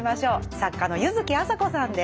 作家の柚木麻子さんです。